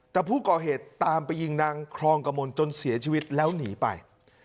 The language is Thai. แต่ผู้ก่อเหตุตามไปยิงนางครองกระมนจนเสียชีวิตแล้วหนีไป